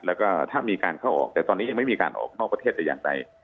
แล้วก็ถ้ามีการเข้าออกแต่ตอนนี้ยังไม่มีการออกนอกประเทศแต่อย่างใด